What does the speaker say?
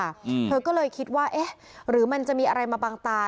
อืมเธอก็เลยคิดว่าเอ๊ะหรือมันจะมีอะไรมาบังตา